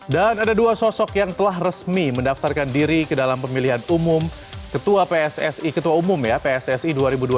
dan ada dua sosok yang telah resmi mendaftarkan diri ke dalam pemilihan umum ketua pssi ketua umum ya pssi dua ribu dua puluh tiga dua ribu dua puluh tujuh